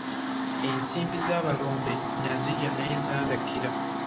Ensimbi z'abalombe na zirya naye zandakira.